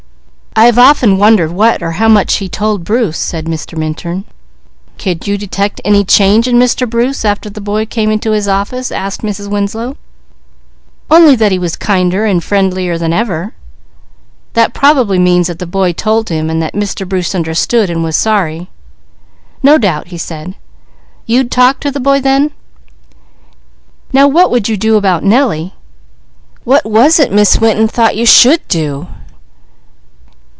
"I have often wondered what or how much he told Bruce," said Mr. Minturn. "Could you detect any change in Mr. Bruce after the boy came into his office?" asked Mrs. Winslow. "Only that he was kinder and friendlier than ever." "That probably means that the boy told him and that Mr. Bruce understood and was sorry." "No doubt," he said. "You'd talk to the boy then? Now what would you do about Nellie?" "What was it Miss Winton thought you should do?"